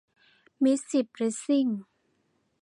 มิตรสิบ ลิสซิ่ง